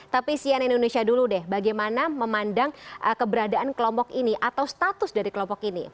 tapi sian indonesia dulu deh bagaimana memandang keberadaan kelompok ini atau status dari kelompok ini